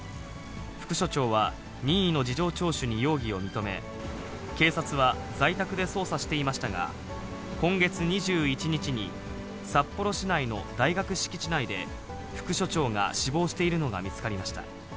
副署長は、任意の事情聴取に容疑を認め、警察は在宅で捜査していましたが、今月２１日に札幌市内の大学敷地内で副署長が死亡しているのが見つかりました。